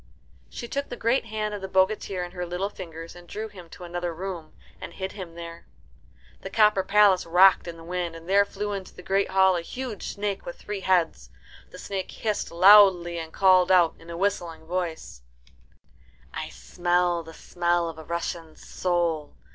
She took the great hand of the bogatir in her little fingers, and drew him to another room, and hid him there. The copper palace rocked in the wind, and there flew into the great hall a huge snake with three heads. The snake hissed loudly, and called out in a whistling voice, "I smell the smell of a Russian soul.